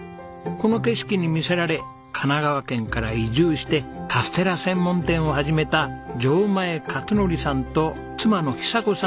この景色に魅せられ神奈川県から移住してカステラ専門店を始めた常前勝則さんと妻の寿子さんが主人公です。